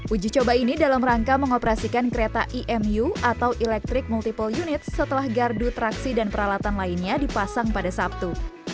uji coba ini dalam rangka mengoperasikan kereta emu atau electric multiple unit setelah gardu traksi dan peralatan lainnya dipasang pada sabtu